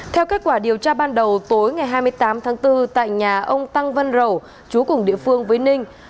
theo kết quả điều tra ban đầu tối ngày hai mươi tám tháng bốn tại nhà ông tăng văn rẩu chú cùng địa phương với ninh